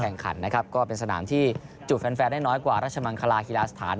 แข่งขันนะครับก็เป็นสนามที่จูบแฟนได้น้อยกว่าราชมังคลาฮิลาสถาน